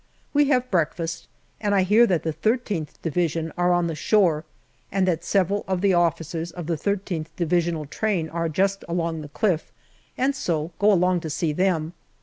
We have breakfast, and I hear that the I3th Division are on the shore, and that several of the officers of the I3th Divisional Train are just along the cliff, and so go along to see them.